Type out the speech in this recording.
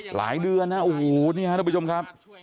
หลายเดือนนะ